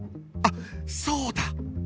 あっそうだ！